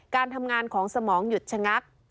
การทำงานของสมองหยุดชะงัก